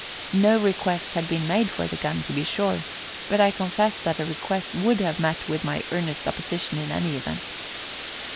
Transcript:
No request had been made for the gun, to be sure, but I confess that a request would have met with my earnest opposition in any event.